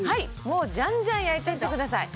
もうじゃんじゃん焼いていってください。